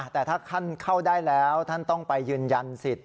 แต่ถ้าท่านเข้าได้แล้วท่านต้องไปยืนยันสิทธิ